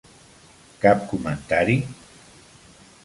Cap comentari?